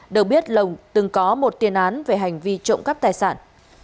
đầu biết lộc từng có một tiên án về hành vi trộm cắp tài sản